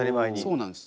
そうなんです。